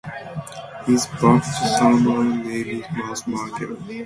His baptismal name was Michael.